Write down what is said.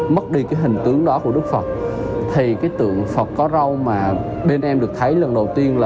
mất đi cái hình tướng đó của đức phật thì cái tượng phật có râu mà bên em được thấy lần đầu tiên là